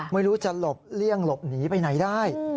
ไม่รู้จะหลบเลี่ยงหลบหนีไปไหนได้